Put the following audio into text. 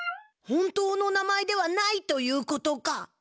本当の名前ではないということか？